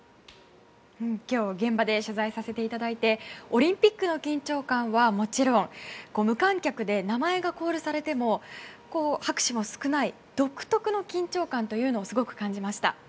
今日、現場で取材させていただいてオリンピックの緊張感はもちろん無観客で名前がコールされても拍手も少ない独特の緊張感をすごく感じました。